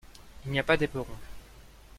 Il n'y a pas d'éperon.